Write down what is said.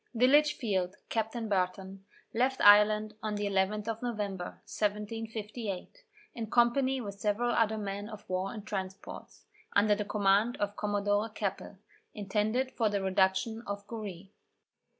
The Litchfield, Captain Barton, left Ireland on the 11th of November, 1758, in company with several other men of war and transports, under the command of Commodore Keppel, intended for the reduction of Goree.